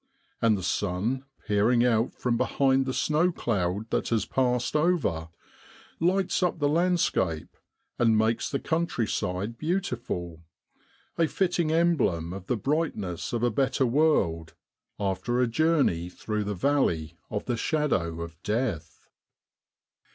And the sun peering out from behind the snow cloud that has passed over, lights up the landscape, and makes the countryside beautiful a fitting emblem of the brightness of a better world, after a journey through the valley of the shadow of death.